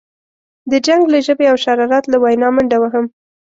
د جنګ له ژبې او شرارت له وینا منډه وهم.